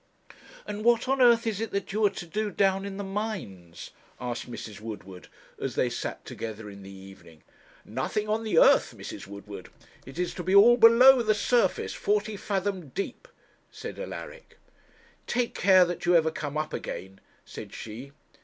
'And what on earth is it that you are to do down in the mines?' asked Mrs. Woodward as they sat together in the evening. 'Nothing on the earth, Mrs. Woodward it is to be all below the surface, forty fathom deep,' said Alaric. 'Take care that you ever come up again,' said she.